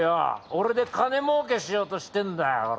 俺で金儲けしようとしてんだよ